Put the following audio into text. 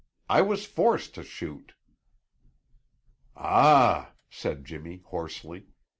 "I was forced to shoot." "Ah!" said Jimmy hoarsely.